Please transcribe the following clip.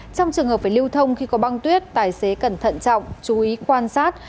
trong trường hợp phải lưu thông khi có băng tuyết tài xế cẩn thận trọng chú ý quan sát